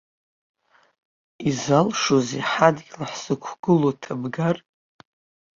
Изалшозеи ҳадгьыл хзықәгылоу ҭабгар?